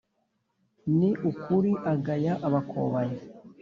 ni ukuri agaya abakobanyi,